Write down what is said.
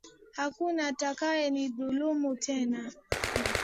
Hakuna atakaye nidhlumu tena.